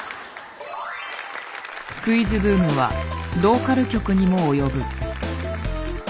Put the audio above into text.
クイズブームはローカル局にも及ぶ。